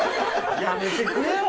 やめてくれよ。